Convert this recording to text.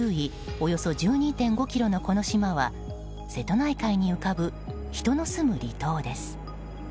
およそ１２．５ｋｍのこの島は瀬戸内海に浮かぶ人の住む離島です。